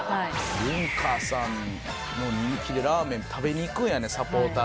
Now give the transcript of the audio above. ユンカーさんの人気でラーメン食べに行くんやねサポーターが。